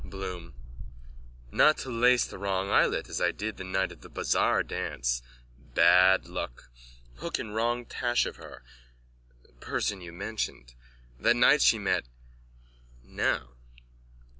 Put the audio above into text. BLOOM: Not to lace the wrong eyelet as I did the night of the bazaar dance. Bad luck. Hook in wrong tache of her... person you mentioned. That night she met... Now!